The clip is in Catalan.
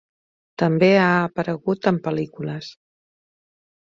També ha aparegut en pel·lícules.